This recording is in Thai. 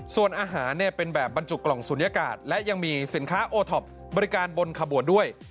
ส่วนอาหารเป็นแบบบรรจุกล่องศูนยากาศและยังมีสินค้าโอท็อปบริการบนขบวนด้วย